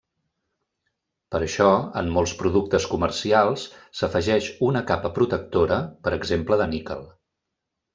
Per això en molts productes comercials s'afegeix una capa protectora, per exemple de níquel.